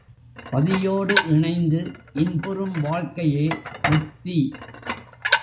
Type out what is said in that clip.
பதியோடு இணைந்து இன்புறும் வாழ்க்கையே முத்தி.